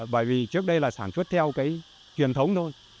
bởi vì trước đây là sản xuất theo cái truyền thống thôi